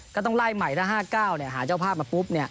ก็ต้องไล่ใหม่ถ้า๕๙หาเจ้าภาพมาปุ๊บ